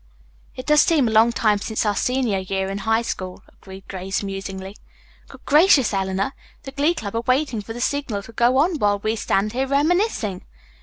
"It does seem a long time since our senior year in high school," agreed Grace musingly. "Good gracious, Eleanor, the Glee Club are waiting for the signal to go on while we stand here reminiscing!"